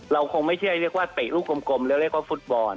คงไม่ใช่เรียกว่าเตะลูกกลมแล้วเรียกว่าฟุตบอล